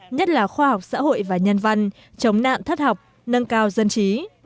nhất là khoa học xã hội và nhân văn chống nạn thất học nâng cao dân trí